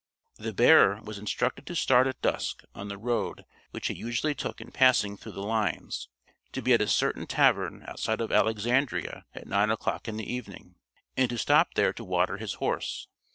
The bearer was instructed to start at dusk on the road which he usually took in passing through the lines, to be at a certain tavern outside of Alexandria at nine o'clock in the evening, and to stop there to water his horse.